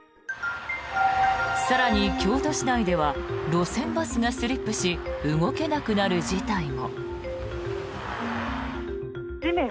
更に、京都市内では路線バスがスリップし動けなくなる事態も。